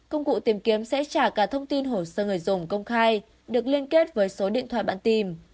công cụ tìm kiếm sẽ trả cả thông tin hồ sơ người dùng công khai được liên kết với số điện thoại bạn tìm